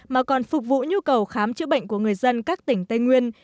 mà còn phục vụ nhu cầu khám chữa bệnh của người dân các tỉnh tây nguyên